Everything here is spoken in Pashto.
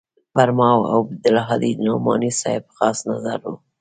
پر ما او عبدالهادي د نعماني صاحب خاص نظر و.